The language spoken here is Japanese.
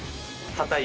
硬い。